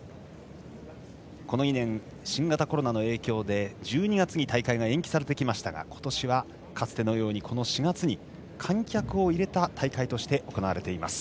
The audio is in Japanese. この２年、新型コロナの影響で１２月に大会が延期されてきましたが今年は、かつてのようにこの４月に観客を入れた大会として行われています。